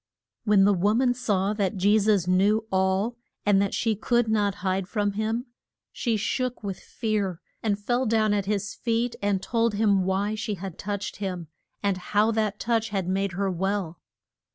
When the wo man saw that Je sus knew all, and that she could not hide from him, she shook with fear, and fell down at his feet, and told him why she had touched him, and how that touch had made her well.